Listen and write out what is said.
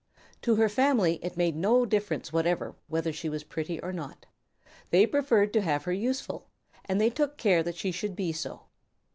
To her family it made no difference whatever whether she was pretty or not. They preferred to have her useful, and they took care that she should be so.